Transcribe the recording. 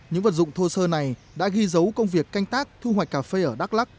những vật dụng thô sơ này đã ghi dấu công việc canh tác thu hoạch cà phê ở đắk lắc